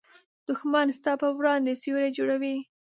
دښمن ستا پر وړاندې سیوری جوړوي